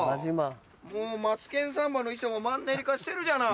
もう『マツケンサンバ』の衣装もマンネリ化してるじゃない。